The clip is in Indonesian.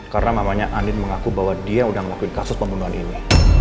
karena mamanya andin mengaku bahwa dia udah ngelakuin kasus pembunuhan ini